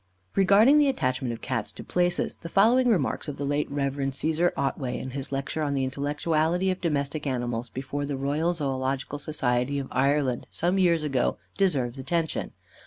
Regarding the attachment of Cats to places, the following remarks of the late Rev. Cæsar Otway, in his lecture on the Intellectuality of Domestic Animals before the Royal Zoological Society of Ireland, some years ago, deserve attention.